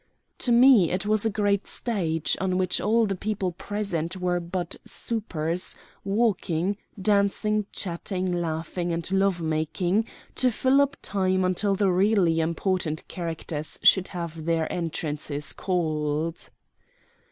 To me it was a great stage, on which all the people present were but supers, walking, dancing chatting, laughing, and love making, to fill up time until the really important characters should have their entrances called.